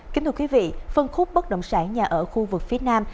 kính thưa quý vị phân khúc bất động sản nhà ở khu vực phía nam